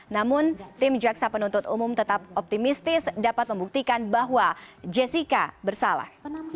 namun tim jaksa penuntut umum tetap optimistis dapat membuktikan bahwa jessica bersalah